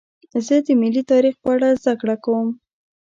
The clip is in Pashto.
زه د ملي تاریخ په اړه زدهکړه کوم.